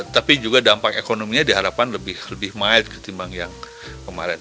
tapi juga dampak ekonominya diharapkan lebih midd ketimbang yang kemarin